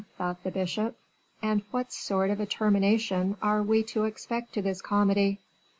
thought the bishop, "and what sort of a termination are we to expect to this comedy?"